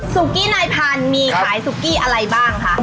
ซุกกี้ในพันธุ์มีขายซุกกี้อะไรบ้างคะครับ